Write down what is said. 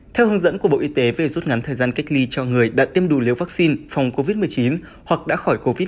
theo hướng dẫn của bộ y tế về rút ngắn thời gian cách ly cho người đã tiêm đủ liều vaccine phòng covid một mươi chín hoặc đã khỏi covid một mươi chín